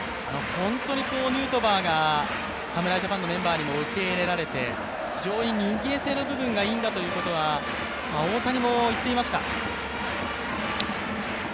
本当にヌートバーが侍ジャパンのメンバーにも受け入れられて非常に人間性の部分がいいんだということは、大谷も言っていました。